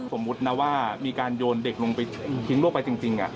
สมมุตินะว่ามีการโยนเด็กลงไปทิ้งลูกไปจริง